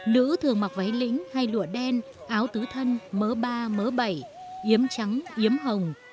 nữ thường mặc váy lĩnh hay lụa đen áo tứ thân mớ ba mớ bảy yếm trắng yếm hồng